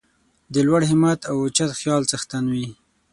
د لوړ همت او اوچت خیال څښتن وي.